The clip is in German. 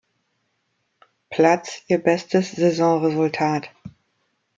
Platz ihr bestes Saisonresultat.